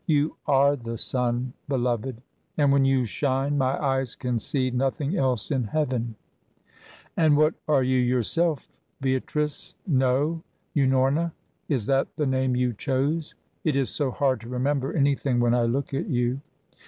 "You are the sun, beloved, and when you shine, my eyes can see nothing else in heaven." "And what are you yourself Beatrice no, Unorna is that the name you chose? It is so hard to remember anything when I look at you."